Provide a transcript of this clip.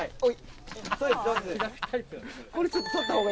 おい！